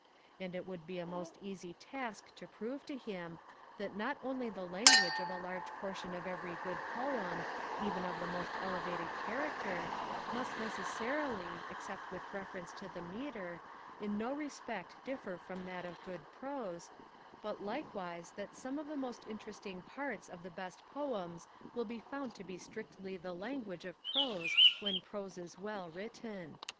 And it would be a most easy task to prove to him, that not only the language of a large portion of every good poem, even of the most elevated character, must necessarily, except with reference to the metre, in no respect differ from that of good prose, but likewise that some of the most interesting parts of the best poems will be found to be strictly the language of prose when prose is well written.